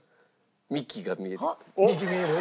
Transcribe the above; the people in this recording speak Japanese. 幹が見えてくる。